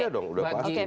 ini udah pasti